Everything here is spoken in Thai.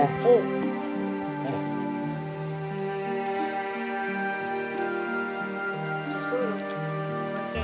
พี่โก้